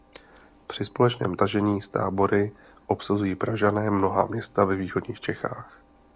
Při společném tažení s tábory obsazují pražané mnohá města ve východních Čechách.